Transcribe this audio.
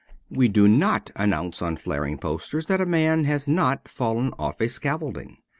We do not announce on flaring posters that a man has not fallen off a scaffolding.